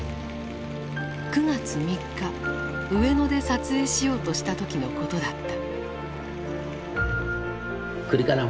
９月３日上野で撮影しようとした時のことだった。